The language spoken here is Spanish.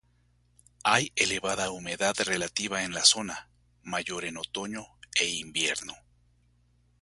Hay elevada humedad relativa en la zona, mayor en otoño e invierno.